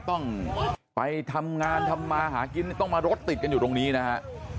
ต้องไปทำงานทำมาหากินต้องมารถติดกันอยู่ตรงนี้นะฮะ